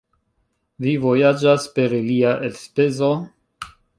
Vi vojaĝas per ilia elspezo?